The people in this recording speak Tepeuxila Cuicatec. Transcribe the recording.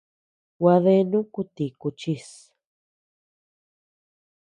Gua deanu ku ti kuchis.